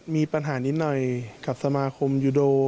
มีปัญหานิดหน่อยกับสมาคมยูโด